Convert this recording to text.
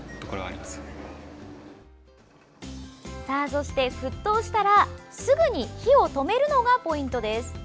そして沸騰したらすぐに火を止めるのがポイントです。